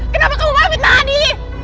kenapa kamu mau fitnah adi